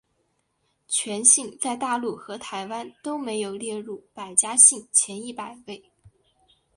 全姓在大陆和台湾都没有列入百家姓前一百位。